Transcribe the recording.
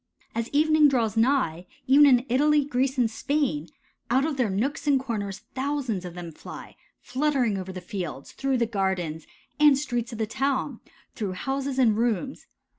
As evening draws nigh, even in Italy, Greece, and Spain, out of their nooks and corners thousands of them fly, fluttering over the fields, through the gardens and streets of the town, through houses and rooms.